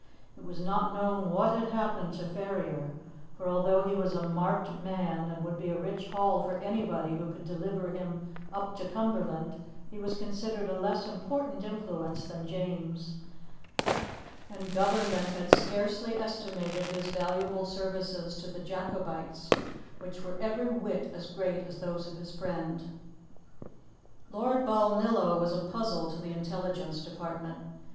It was not known what had happened to Ferrier, for although he was a marked man and would be a rich haul for anybody who could deliver him up to Cumberland, he was considered a less important influence than James; and Government had scarcely estimated his valuable services to the Jacobites, which were every whit as great as those of his friend. Lord Balnillo was a puzzle to the intelligence department.